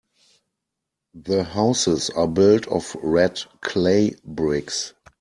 The houses are built of red clay bricks.